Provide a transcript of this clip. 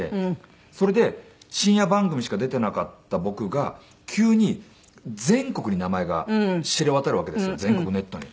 それで深夜番組しか出ていなかった僕が急に全国に名前が知れ渡るわけですよ全国ネットに。